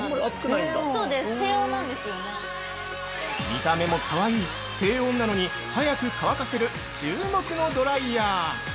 ◆見た目もかわいい低温なのに速く乾かせる注目のドライヤー。